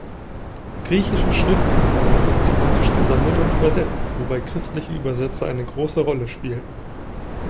Griechische Schriften wurden systematisch gesammelt und übersetzt, wobei christliche Übersetzer eine große Rolle spielten.